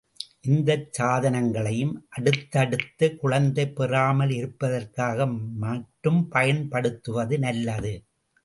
இந்தச் சாதனங்களையும் அடுத்தடுத்துக் குழந்தை பெறாமலிருப்பதற்காக மட்டும் பயன்படுத்துவது நல்லது.